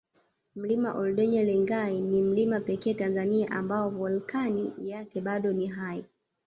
Mlima oldinyolengai ni mlima pekee Tanzania ambao volkani yake bado ni hai